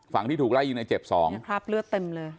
ฝั่งที่ถูกไล่ยิงจาเจ็บ๒ภาพเลือดเต็มเลย